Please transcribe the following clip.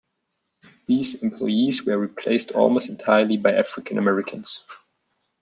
These employees were replaced almost entirely by African Americans.